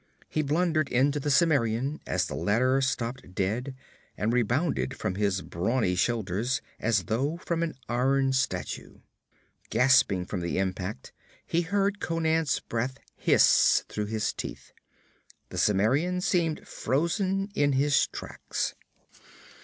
He blundered into the Cimmerian as the latter stopped dead, and rebounded from his brawny shoulders as though from an iron statue. Gasping from the impact, he heard Conan's breath hiss through his teeth. The Cimmerian seemed frozen in his tracks.